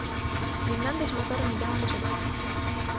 Мемнан деч моторым ида ончо!